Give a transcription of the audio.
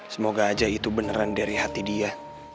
semoga aja itu beneran dari hati dia